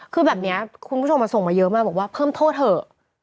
คือแบบนี้คุณผู้ชมมาส่งมาเยอะมากบอกว่าเพิ่มโทษเถอะ